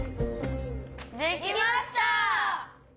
できました！